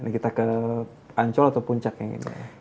kita ke ancol atau puncak yang ini